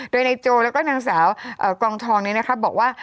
โดยนายโจแล้วก็นางสาวกองทองบอกว่า